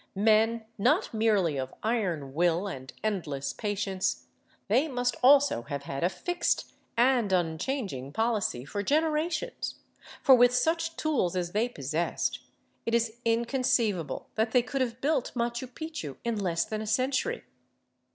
Men not merely of iron will and endless patience, they must also have had a fixed and unchanging policy for generations, for with such tools as they possessed it is inconceivable that they could have built Machu Picchu in less than a century.